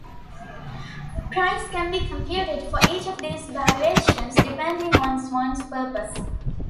A price can be computed for each of these valuations, depending on one's purpose.